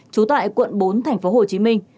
chú tại quận bốn tp hcm